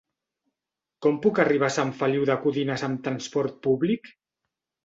Com puc arribar a Sant Feliu de Codines amb trasport públic?